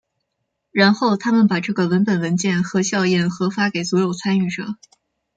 然后他们把这个文本文件和校验和发给所有参与者。